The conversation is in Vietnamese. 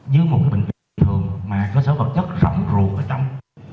như một bệnh viện thường mà cơ sở bậc chất rộng ruột ở trong